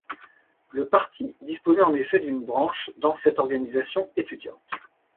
Le parti disposait en effet d'une branche dans cette organisation étudiante.